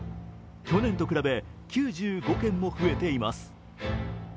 去年と比べ９５件も増えています。